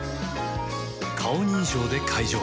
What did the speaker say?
顔認証で解錠